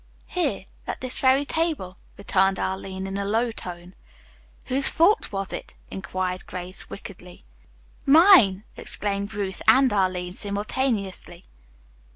"Here, at this very table," returned Arline in a low tone. "Whose fault was it?" inquired Grace wickedly. "Mine!" exclaimed Ruth and Arline simultaneously.